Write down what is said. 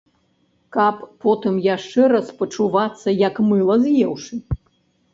Каб потым яшчэ раз пачувацца як мыла з'еўшы?